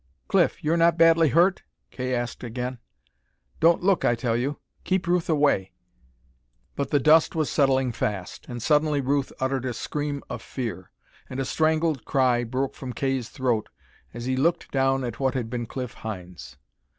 "Cliff, you're not badly hurt?" Kay asked again. "Don't look, I tell you! Keep Ruth away!" But the dust was settling fast, and suddenly Ruth uttered a scream of fear. And a strangled cry broke from Kay's throat as he looked down at what had been Cliff Hynes.